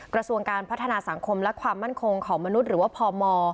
กระทรวงการพัฒนาสังคมและความมั่นคงของมนุษย์หรือว่าพม